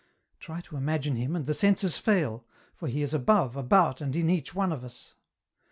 Try to imagine Him, and the senses fail, for He is above, about, and in each one of us.